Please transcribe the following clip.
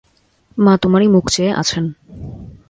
মা তোমারই মুখ চেয়ে আছেন।